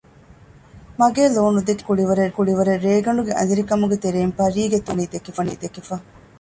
މަގޭ ލޯ ނުދެކޭ ކިތަންމެ ކުޅިވަރެއް ރޭގަނޑުގެ އަނދިރިކަމުގެ ތެރެއިން ޕަރީގެ ތޫނު ލޯ ވަނީ ދެކެފަ